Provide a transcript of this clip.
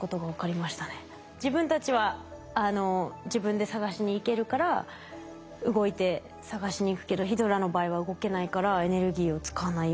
自分たちは自分で探しに行けるから動いて探しに行くけどヒドラの場合は動けないからエネルギーを使わないようにみたいな。